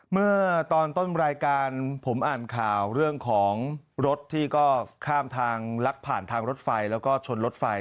เมื่อตอนต้นรายการผมอ่านข่าวเรื่องของรถที่ก็ข้ามทางลักผ่านทางรถไฟแล้วก็ชนรถไฟ